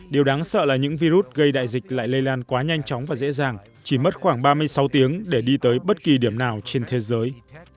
điều đáng sợ là những virus gây đại dịch lại lây lan quá nhanh chóng và dễ dàng chỉ mất khoảng ba mươi sáu tiếng để đi tới bất kỳ điểm nào trên thế giới